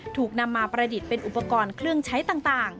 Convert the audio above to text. ถูกนำมาประดิษฐ์เป็นอุปกรณ์เครื่องใช้ต่าง